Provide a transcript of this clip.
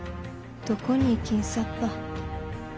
どこに行きんさった。